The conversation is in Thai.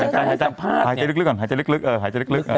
หายใจลึกก่อนหายใจลึกเนี่ย